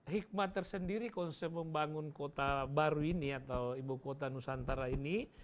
hikmat tersendiri konsep membangun kota baru ini atau ibu kota nusantara ini